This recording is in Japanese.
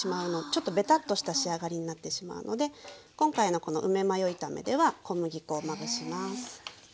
ちょっとベタッとした仕上がりになってしまうので今回のこの梅マヨ炒めでは小麦粉をまぶします。